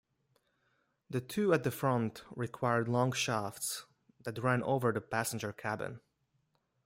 The two at the front required long shafts that ran over the passenger cabin.